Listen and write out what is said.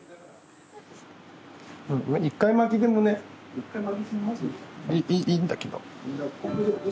１回巻きでもねいいんだけどうん。